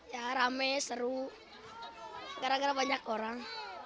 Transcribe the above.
ya rame seru gara gara banyak orang